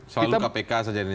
selalu kpk saja